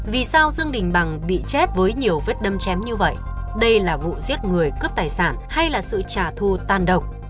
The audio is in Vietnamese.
vì sao dương đình bằng bị chết với nhiều vết đâm chém như vậy đây là vụ giết người cướp tài sản hay là sự trả thu tan độc